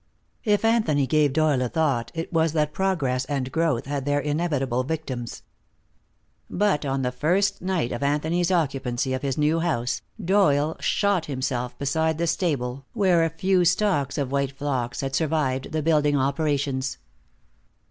If Anthony gave Doyle a thought, it was that progress and growth had their inevitable victims. But on the first night of Anthony's occupancy of his new house Doyle shot himself beside the stable, where a few stalks of white phlox had survived the building operations.